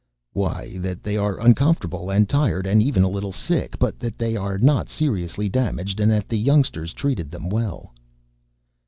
"Why, that they are uncomfortable and tired and even a little sick, but that they are not seriously damaged, and that the youngsters treated them well."